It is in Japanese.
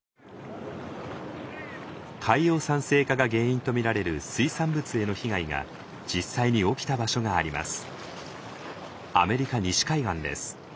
海洋酸性化が原因と見られる水産物への被害が実際に起きた場所があります。